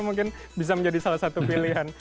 mungkin bisa menjadi salah satu pilihan